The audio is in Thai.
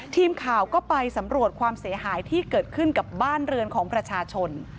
ทีมข่าวก็ไปสำรวจความเสียหายที่เกิดขึ้นกับบ้านเรือนของประชาชน